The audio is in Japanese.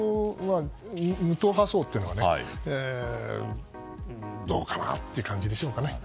両方派、無党派層というのはどうかな？という感じでしょうね。